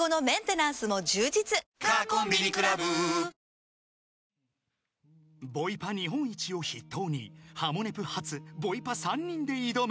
ＪＴ［ボイパ日本一を筆頭に『ハモネプ』初ボイパ３人で挑む］